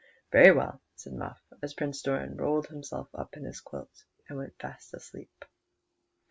" Very well," said Muff, as Prince Doran rolled him self up in his quilt and went fast asleep.